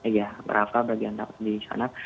ya rafah bagian rafah di sana